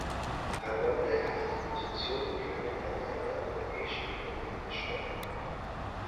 Herr Bonde hat die Position der kleinen Länder in der Europäischen Union angesprochen.